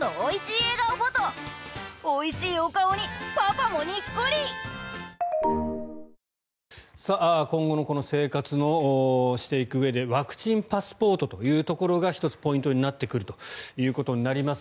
そもそもこれ、申請をして窓口で申請して今後の生活をしていくうえでワクチンパスポートというところが１つポイントになってくるということになります。